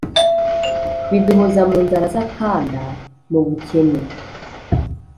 biduhoza mu nzara z’akanda, mu bukene,